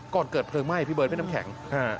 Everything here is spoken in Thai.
ก่อนเกิดเพลิงไหม้พี่เบิร์ดพี่น้ำแข็ง